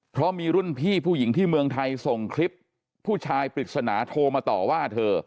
เพราะมีรุ่นพี่ผู้หญิงที่เมืองไทยส่งคลิปผู้ชายปริศนาโทรมาต่อว่าเธอ